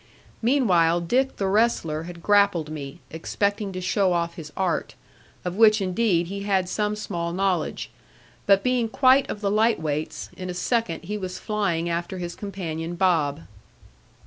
Meanwhile Dick the wrestler had grappled me, expecting to show off his art, of which indeed he had some small knowledge; but being quite of the light weights, in a second he was flying after his companion Bob.